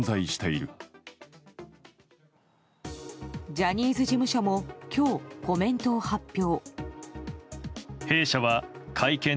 ジャニーズ事務所も今日、コメントを発表。